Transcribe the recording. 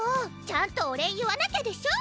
ちゃんとお礼言わなきゃでしょ！